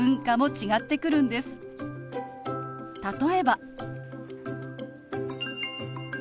例えば。